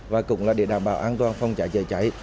và cũng là để đảm bảo an toàn phòng cháy chữa cháy